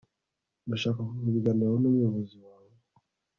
ndashaka kubiganiraho numuyobozi wawe